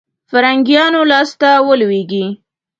فرنګیانو لاسته ولوېږي.